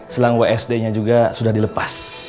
selang wsd nya juga sudah dilepas